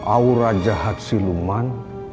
aura jahat siluman